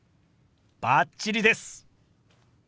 バッチリです！